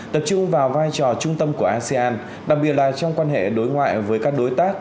tập trung vào vai trò trung tâm của asean đặc biệt là trong quan hệ đối ngoại với các đối tác